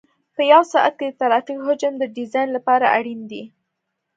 په یو ساعت کې د ترافیک حجم د ډیزاین لپاره اړین دی